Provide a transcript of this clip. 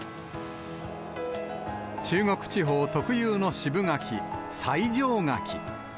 中国地方特有の渋柿、西条柿。